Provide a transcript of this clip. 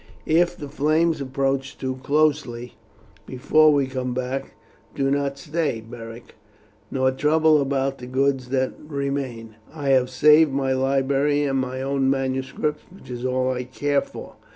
If the flames approach too closely before we come back, do not stay, Beric, nor trouble about the goods that remain. I have saved my library and my own manuscripts, which is all I care for.